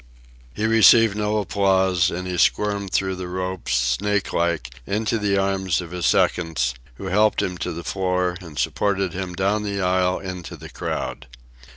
He received no applause, and he squirmed through the ropes, snakelike, into the arms of his seconds, who helped him to the floor and supported him down the aisle into the crowd.